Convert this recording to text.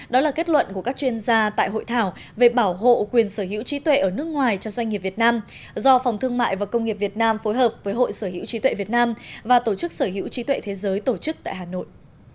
đó là kết luận của các chuyên gia tại hội thảo về bảo hộ quyền sở hữu trí tuệ ở nước ngoài cho doanh nghiệp việt nam do phòng thương mại và công nghiệp việt nam phối hợp với hội sở hữu trí tuệ việt nam và tổ chức sở hữu trí tuệ thế giới tổ chức tại hà nội